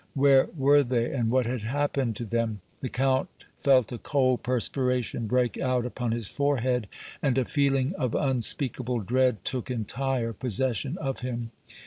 Where were they and what had happened to them? The Count felt a cold perspiration break out upon his forehead, and a feeling of unspeakable dread took entire possession of him.